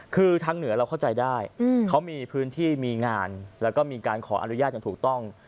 เขามีพื้นที่มีงานแล้วก็มีการขออนุญาตอย่างถูกต้อง